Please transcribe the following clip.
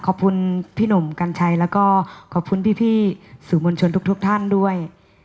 ขอบคุณพี่หนุ่มกัญชัยแล้วก็ขอบคุณพี่สื่อมวลชนทุกท่านด้วย